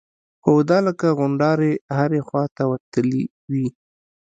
خو دا لکه غونډارې هرې خوا ته وتلي وي.